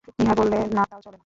নীহার বললে, না, তাও চলে না।